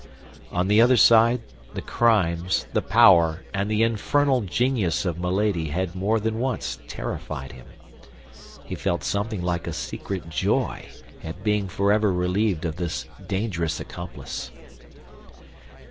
On the other side, the crimes, the power, and the infernal genius of Milady had more than once terrified him. He felt something like a secret joy at being forever relieved of this dangerous accomplice.